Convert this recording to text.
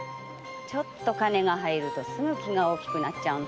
ちょっと金が入るとすぐ気が大きくなっちゃう。